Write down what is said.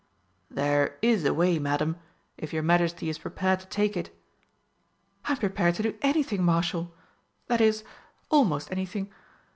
"There is a way, Madam, if your Majesty is prepared to take it." "I am prepared to do anything, Marshal that is, almost anything.